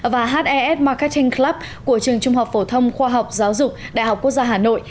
và hes macating club của trường trung học phổ thông khoa học giáo dục đại học quốc gia hà nội